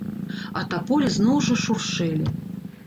А таполі зноў жа шуршэлі.